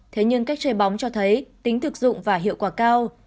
thế nhưng cách chơi bóng cho thấy tính thực dụng và hiệu quả cao